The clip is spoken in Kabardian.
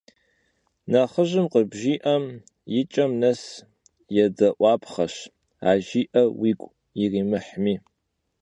Nexhıjım khıbjji'em yi ç'em nes vuêde'uapxheş, a jji'er vuigu yirimıhmi.